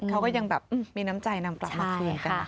เขาก็ยังแบบมีน้ำใจนำกลับมาคืนกัน